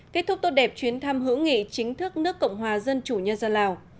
kết thúc tốt đẹp chuyến thăm hữu nghị chính thức nước cộng hòa dân chủ nhân dân lào